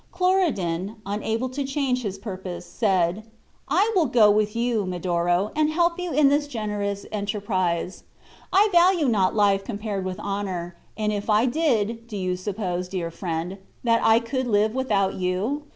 Cloridan, unable to change his purpose, said, "I will go with you, Medoro, and help you in this generous enterprise. I value not life compared with honor, and if I did, do you suppose, dear friend, that I could live without you?